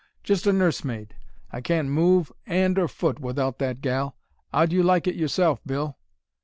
'Just a nursemaid. I can't move 'and or foot without that gal. 'Ow'd you like it, yourself, Bill?'